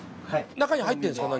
中に入ってるんですか？